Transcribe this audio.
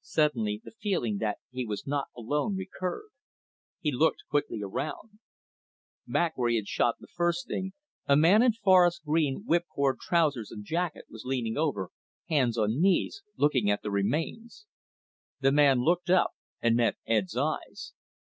Suddenly, the feeling that he was not alone recurred. He looked quickly around. Back where he had shot the first thing, a man in forest green whipcord trousers and jacket was leaning over, hands on knees, looking at the remains. The man looked up and met Ed's eyes.